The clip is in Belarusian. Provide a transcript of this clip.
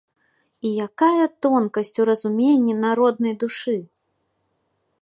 І якая тонкасць у разуменні народнай душы!